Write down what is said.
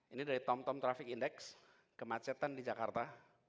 ini dari tomtom traffic index kemacetan di jakarta